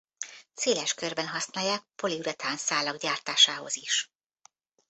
Széles körben használják poliuretán szálak gyártásához is.